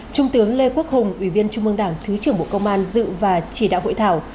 trung tướng lê quốc hùng ủy viên trung mương đảng thứ trưởng bộ công an dự và chỉ đạo hội thảo